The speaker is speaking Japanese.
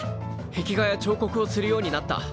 壁画や彫刻をするようになった！